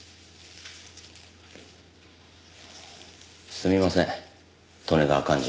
すみません利根川寛二